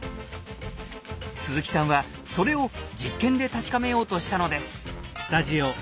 鈴木さんはそれを実験で確かめようとしたのです。